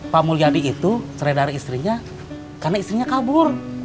pak mulyadi itu cerai dari istrinya karena istrinya kabur